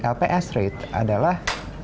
lps rate adalah